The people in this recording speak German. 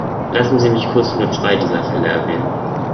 Lassen Sie mich kurz nur zwei dieser Fälle erwähnen.